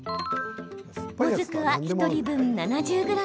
もずくは１人分７０ｇ。